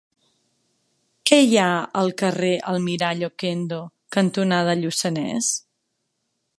Què hi ha al carrer Almirall Okendo cantonada Lluçanès?